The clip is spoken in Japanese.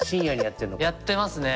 やってますね！